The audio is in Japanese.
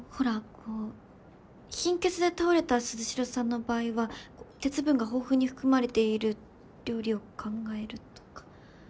こう貧血で倒れた鈴代さんの場合は鉄分が豊富に含まれている料理を考えるとか。